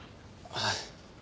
はい。